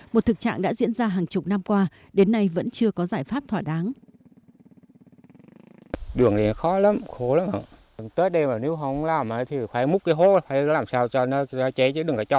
một thực trạng đã diễn ra hàng chục năm qua đến nay vẫn chưa có giải pháp thỏa đáng